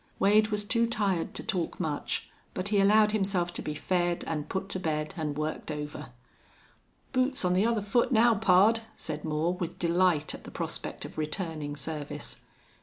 Wade was too tired to talk much, but he allowed himself to be fed and put to bed and worked over. "Boot's on the other foot now, pard," said Moore, with delight at the prospect of returning service.